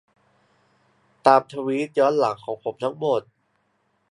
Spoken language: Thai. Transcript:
ตามทวีตย้อนหลังของผมทั้งหมด